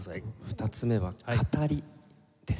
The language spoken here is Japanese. ２つ目は「語り」です。